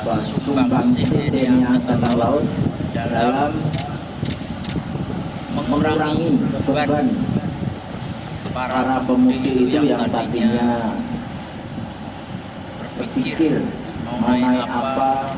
susupan siti niatana laut dalam mengurangi keguguran para pemudik itu yang tadinya berpikir mengenai apa